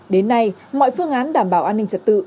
đến nay mọi phương án đảm bảo an ninh trật tự